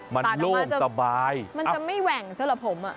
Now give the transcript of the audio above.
มันโล่งสบายมันจะไม่แหว่งซะล่ะผม